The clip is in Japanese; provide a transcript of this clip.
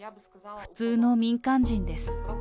普通の民間人です。